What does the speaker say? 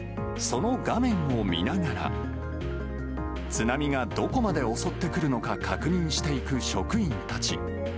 その画面を見ながら、津波がどこまで襲ってくるのか確認していく職員たち。